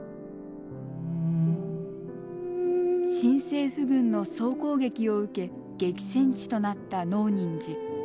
新政府軍の総攻撃を受け激戦地となった能仁寺。